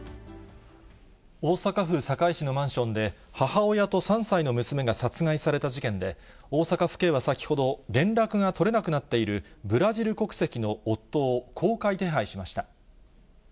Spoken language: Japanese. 大阪府堺市のマンションで、母親と３歳の娘が殺害された事件で、大阪府警は先ほど、連絡が取れなくなっているブラジル国籍の夫を公開手配しました。